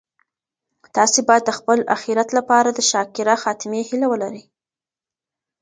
تاسي باید د خپل اخیرت لپاره د شاکره خاتمې هیله ولرئ.